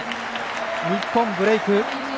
日本、ブレーク。